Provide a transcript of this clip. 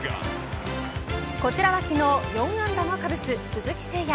こちらは昨日４安打のカブス鈴木誠也